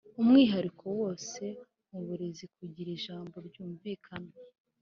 umwihariko wose mu burezi kugira ijambo ryumvikana